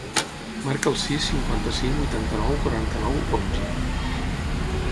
Marca el sis, cinquanta-cinc, vuitanta-nou, quaranta-nou, onze.